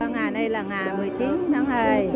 ngày này là ngày một mươi chín tháng hai